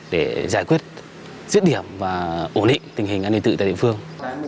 để giải quyết rứt điểm và ổn định tình hình an ninh tự tại địa phương